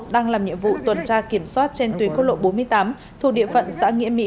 đang làm nhiệm vụ tuần tra kiểm soát trên tuyến quốc lộ bốn mươi tám thuộc địa phận xã nghĩa mỹ